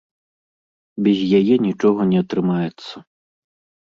Без яе нічога не атрымаецца.